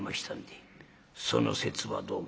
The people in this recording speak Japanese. その節はどうも」。